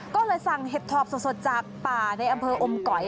ก็เลยสั่งเห็ดถอบสดจากป่าในอำเภออมก๋อย